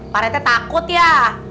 pak rete takut ya